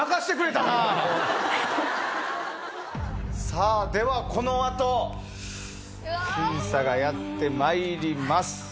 さあではこのあと審査がやってまいります。